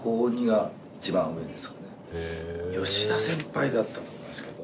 吉田先輩だったと思いますけど。